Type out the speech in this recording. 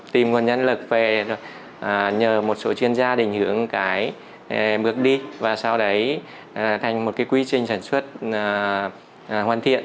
tìm nguồn nhân lực về nhờ một số chuyên gia đình hướng cái bước đi và sau đấy thành một cái quy trình sản xuất hoàn thiện